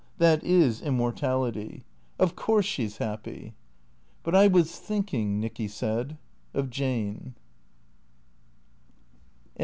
That is immortality. Of course she 's happy." " But I was thinking," Nicky said, " of Jane."